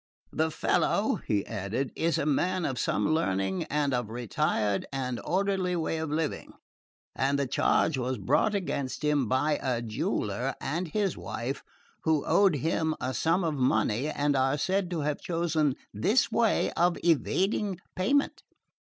The fellow," he added, "is a man of some learning and of a retired and orderly way of living, and the charge was brought against him by a jeweller and his wife, who owed him a sum of money and are said to have chosen this way of evading payment.